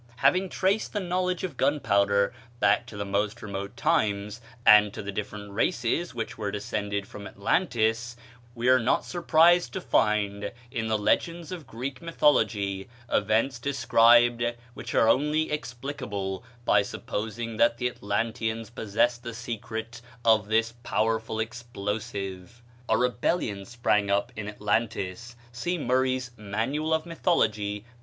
Having traced the knowledge of gunpowder back to the most remote times, and to the different races which were descended from Atlantis, we are not surprised to find in the legends of Greek mythology events described which are only explicable by supposing that the Atlanteans possessed the secret of this powerful explosive. A rebellion sprang up in Atlantis (see Murray's "Mannal of Mythology," p.